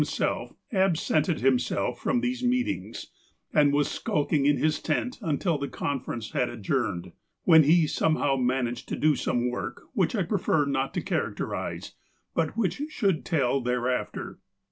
TROUBLES BllEWING 257 absented himself from these meetings, and was sulking in his tent until the conference had adjoui ned, when he somehow managed to do some work, which I prefer not to characterize, but which should tell thereafter.